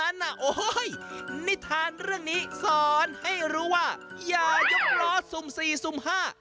โอ้โหนิทานเรื่องนี้สอนให้รู้ว่าอย่ายกล้อสุ่มสี่สุ่มห้า